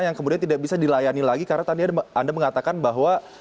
yang kemudian tidak bisa dilayani lagi karena tadi anda mengatakan bahwa